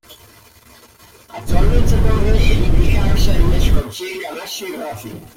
Actualmente corre en IndyCar Series con Chip Ganassi Racing.